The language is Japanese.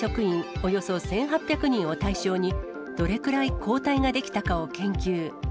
およそ１８００人を対象に、どれくらい抗体が出来たかを研究。